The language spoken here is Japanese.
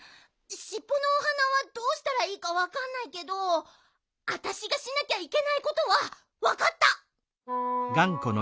しっぽのお花はどうしたらいいかわかんないけどあたしがしなきゃいけないことはわかった！